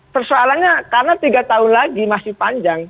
persoalannya karena tiga tahun lagi masih panjang